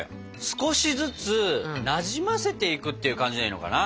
少しずつなじませていくっていう感じでいいのかな？